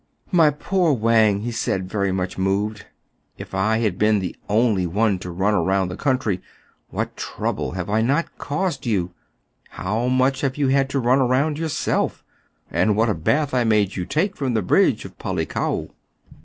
" My poor Wang !" he said, very much moved, if I had been the only one to run about the country ! What trouble have I not caused you ? How much you have had to run about yourself ! and what a bath I made you take from the bridge at Palikao